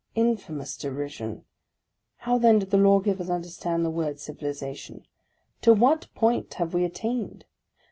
Infamous derision! How then do the lawgivers understand the word civilization? To what point have we attained?